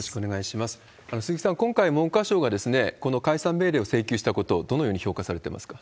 鈴木さん、今回、文科省がこの解散命令を請求したこと、どのように評価されてますか？